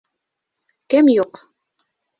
Кем юҡ?